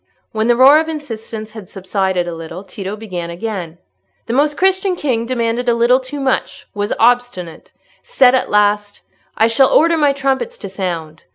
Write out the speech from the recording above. When the roar of insistence had subsided a little, Tito began again— "The Most Christian King demanded a little too much—was obstinate—said at last, 'I shall order my trumpets to sound.